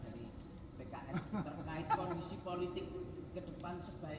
tadi pak sekjen juga menyampaikan bahwa kolaborasi pks dan pks inginnya dibawa ke